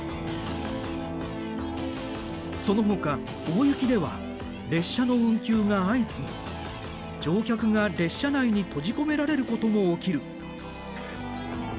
そのほか大雪では列車の運休が相次ぎ乗客が列車内に閉じ込められることも起きる。